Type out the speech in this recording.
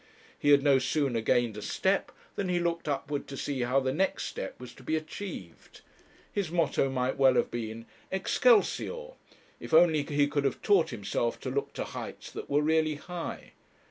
He had no sooner gained a step than he looked upwards to see how the next step was to be achieved. His motto might well have been 'Excelsior!' if only he could have taught himself to look to heights that were really high.